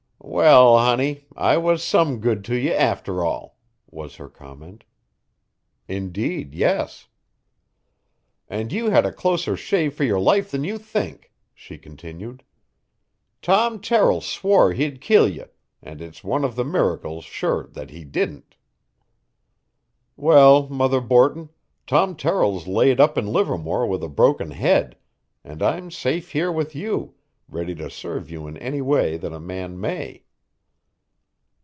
"Well, honey; I was some good to ye, after all," was her comment. "Indeed, yes." "And you had a closer shave for your life than you think," she continued. "Tom Terrill swore he'd kill ye, and it's one of the miracles, sure, that he didn't." "Well, Mother Borton, Tom Terrill's laid up in Livermore with a broken head, and I'm safe here with you, ready to serve you in any way that a man may."